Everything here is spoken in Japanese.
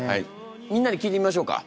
みんなに聞いてみましょうか。